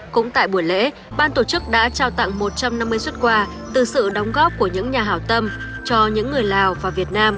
cũng tại buổi lễ ban tổ chức đã trao tặng một trăm năm mươi xuất quà từ sự đóng góp của những nhà hảo tâm cho những người lào và việt nam